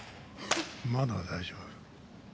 まだ大丈夫。